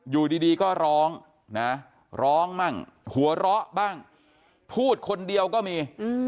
อยู่ดีก็ร้องนะร้องบ้างหัวเราะบ้างพูดคนเดียวก็มี